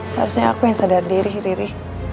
harusnya aku yang sadar diri riri